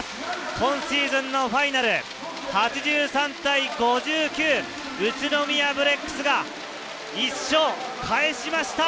今シーズンのファイナル、８３対５９、宇都宮ブレックスが１勝返しました。